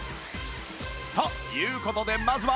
という事でまずは